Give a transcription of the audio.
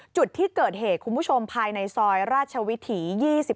จุดที่เกิดเหตุคุณผู้ชมภายในซอยราชวิถี๒๔